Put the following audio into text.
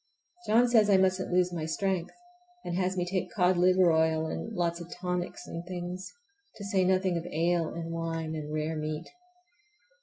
John says I musn't lose my strength, and has me take cod liver oil and lots of tonics and things, to say nothing of ale and wine and rare meat.